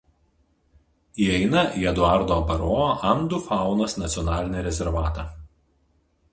Įeina į Eduardo Abaroa Andų faunos nacionalinį rezervatą.